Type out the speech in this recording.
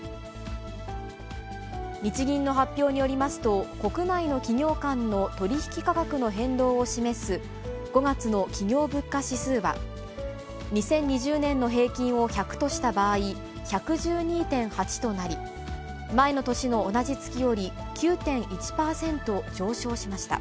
日銀の発表によりますと、国内の企業間の取り引き価格の変動を示す５月の企業物価指数は、２０２０年の平均を１００とした場合１１２．８となり、前の年の同じ月より９．１％上昇しました。